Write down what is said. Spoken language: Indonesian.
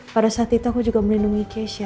pada saat itu aku juga melindungi keisha